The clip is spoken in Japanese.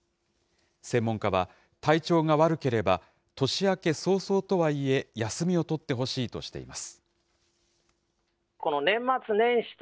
専門家は、体調が悪ければ年明け早々とはいえ、休みを取ってほしいとしています。